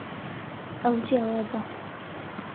ئەو جیاوازە.